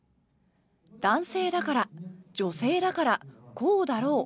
男性だから、女性だからこうだろう。